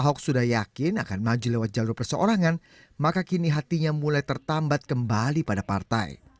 ahok sudah yakin akan maju lewat jalur perseorangan maka kini hatinya mulai tertambat kembali pada partai